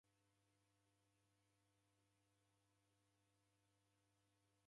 Maw'ono ghake ni ghake uekeri